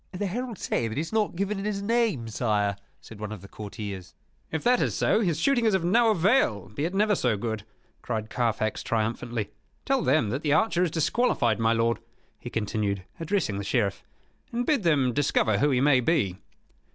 "The heralds say that he has not given in his name, sire," said one of the courtiers. "If that is so, his shooting is of no avail, be it never so good," cried Carfax, triumphantly. "Tell them that the archer is disqualified, my lord," he continued, addressing the Sheriff; "and bid them discover who he may be."